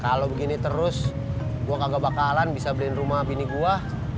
kalau begini terus gue kagak bakalan bisa beliin rumah pini gue